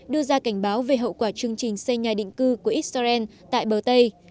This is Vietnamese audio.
đưa ra cảnh báo về hậu quả chương trình xây nhà định cư của israel tại bờ tây